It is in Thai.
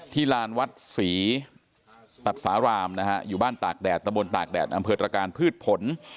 ลานวัดศรีตัสสารามนะฮะอยู่บ้านตากแดดตะบนตากแดดอำเภอตรการพืชผล